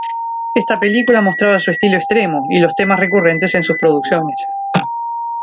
Esta película mostraba su estilo extremo y los temas recurrentes en sus producciones.